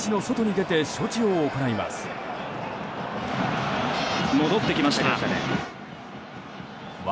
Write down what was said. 戻ってきましたね。